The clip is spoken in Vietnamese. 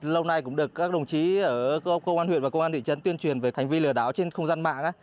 lâu nay cũng được các đồng chí ở công an huyện và công an thị trấn tuyên truyền về hành vi lừa đảo trên không gian mạng